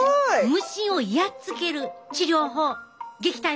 無心をやっつける治療法撃退法何？